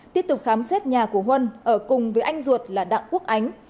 tiếp tục khám xét nhà của huân ở cùng với anh ruột là đặng quốc ánh